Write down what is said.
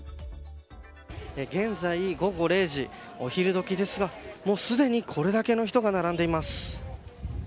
現在、午後０時、お昼どきですがもうすでに、これだけの人が並んでいます。